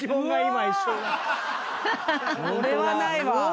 これはないわ。